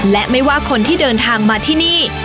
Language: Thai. และไม่ว่าคนที่เดินทางมาที่นี่